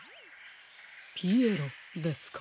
ピエロですか。